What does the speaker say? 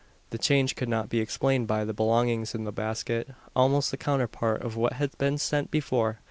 The change could not be explained by the belongings in the basket almost the counterpart of what had been sent before.